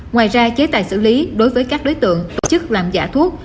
ngoài ra chế tài xử lý đối với các đối tượng tổ chức làm giả thuốc